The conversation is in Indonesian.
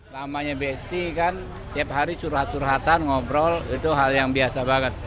namanya bsd kan tiap hari curhat curhatan ngobrol itu hal yang biasa banget